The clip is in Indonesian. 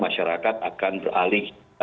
masyarakat akan beralih